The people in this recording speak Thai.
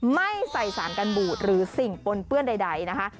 ไม่ใส่สารกันบูดหรือสิ่งปนเปื้อนใดนะคะ